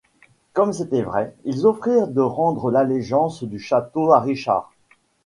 Comme c'était vrai, ils offrirent de rendre l'allégeance du château à Richard.